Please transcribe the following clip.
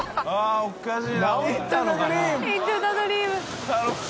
おかしい。